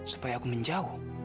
supaya aku menjauh